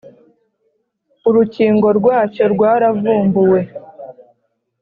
urukingo rwacyo rwa ravumbuwe